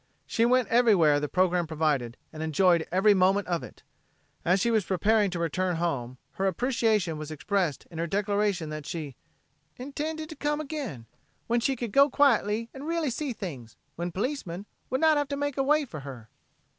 She went everywhere the program provided, and enjoyed every moment of it. As she was preparing to return home her appreciation was expressed in her declaration that she "intended to come again, when she could go quietly about and really see things when policemen would not have to make way for her."